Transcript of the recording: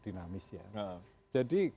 dinamis ya jadi